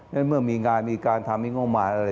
นั่นเมื่อมีงานมีการทำไม่ง่วงหมายอะไร